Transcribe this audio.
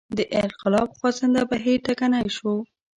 د انقلاب خوځنده بهیر ټکنی شو.